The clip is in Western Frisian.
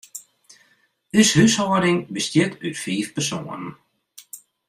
Us húshâlding bestiet út fiif persoanen.